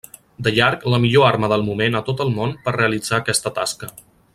De llarg la millor arma del moment a tot el món per realitzar aquesta tasca.